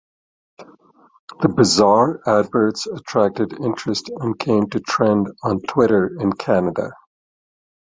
The "bizarre" adverts attracted interest and came to trend on Twitter in Canada.